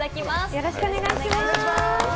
よろしくお願いします。